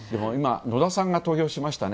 野田さんが投票しましたね。